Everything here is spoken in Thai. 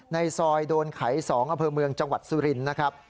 ในซอยโดนไข๒อำเภอเมืองจังหวัดสุรินทร์นะครับ